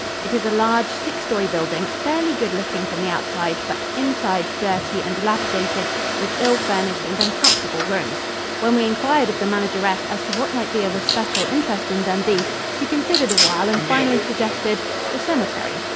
It is a large, six story building, fairly good looking from the outside, but inside dirty and dilapidated, with ill furnished and uncomfortable rooms. When we inquired of the manageress as to what might be of especial interest in Dundee, she considered awhile and finally suggested the cemetery.